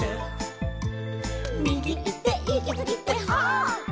「みぎいっていきすぎてはっ」